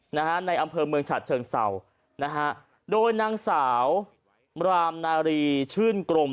นะฮะในอำเภอเมืองชาติเชิงสาวนะฮะโดยนางสาวรามรีสื้นกลม